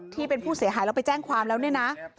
ที่เป็นผู้เสียหายแล้วไปแจ้งความแล้วเนี่ยนะ